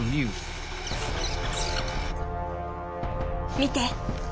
見て！